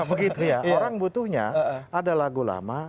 orang butuhnya ada lagu lama